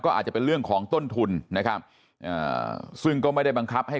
อาจจะเป็นเรื่องของต้นทุนนะครับซึ่งก็ไม่ได้บังคับให้